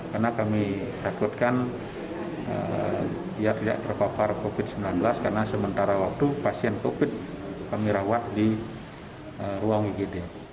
karena kami takutkan dia tidak terpapar covid sembilan belas karena sementara waktu pasien covid kami rawat di ruang ugd